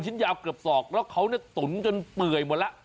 ยาวเกือบศอกแล้วเขาตุ๋นจนเปื่อยหมดแล้ว